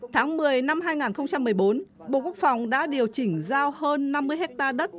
tháng một mươi năm hai nghìn một mươi bốn bộ quốc phòng đã điều chỉnh giao hơn năm mươi hectare đất